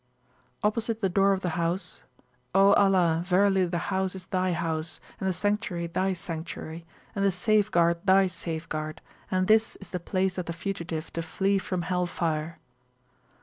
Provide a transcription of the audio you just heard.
Opposite the door of the house: O Allah, verily the House is Thy House, and the Sanctuary thy Sanctuary, and the Safeguard Thy Safeguard, and this is the place of the Fugitive to flee from Hell fire!